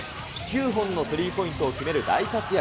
９本のスリーポイントを決める大活躍。